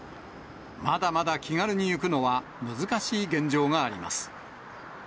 まだまだ気軽に行くのは難しい現状があります。